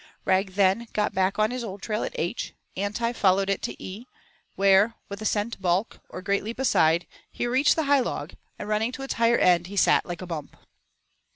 Rag then got back on his old trail at H, and followed it to E, where, with a scentbaulk or great leap aside, he reached the high log, and running to its higher end, he sat like a bump.